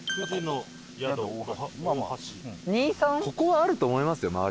ここはあると思いますよ